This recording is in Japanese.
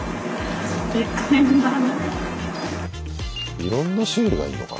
いろんな種類がいるのかな。